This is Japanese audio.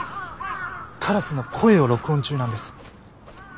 カラスの声を録音中なんです。